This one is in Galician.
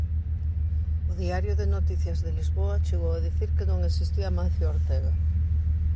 O Diario de Noticias de Lisboa chegou a dicir que non existía Amancio Ortega.